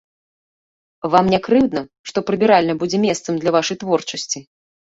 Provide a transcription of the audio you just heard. Вам не крыўдна, што прыбіральня будзе месцам для вашай творчасці?